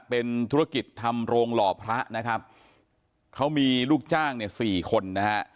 เป็นธุรกิจทำโรงหล่อพระนะครับเขามีลูกจ้างเนี่ยสี่คนนะฮะ